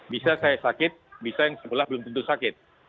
bisa saya sakit bisa yang sebelah belum tentu sakit